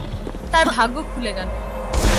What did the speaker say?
তার ভাগ্য খুলে গেল।